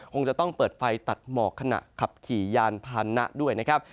คงจะต้องเปิดไฟตัดหมอกขณะขับขี่ยานพานะด้วยนะครับ